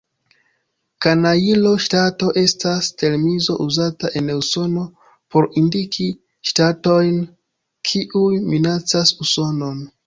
Kanajlo-ŝtato estas termino uzata en Usono por indiki ŝtatojn, kiuj minacas Usonon.